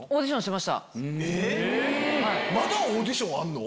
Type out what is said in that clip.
まだオーディションあるの？